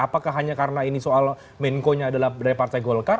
apakah hanya karena ini soal menko nya adalah dari partai golkar